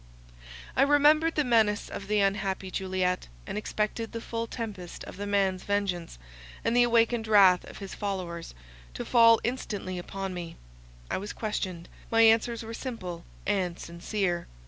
I remembered the menace of the unhappy Juliet, and expected the full tempest of the man's vengeance, and the awakened wrath of his followers, to fall instantly upon me. I was questioned. My answers were simple and sincere.